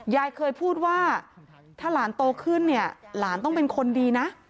ยายเคยพูดว่าถ้าหลานโตขึ้นเนี่ยหลานต้องเป็นคนดีนะ